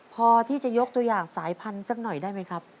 พอที่จะยกตัวอย่างสายพันธุ์สักหน่อยได้ไหมครับ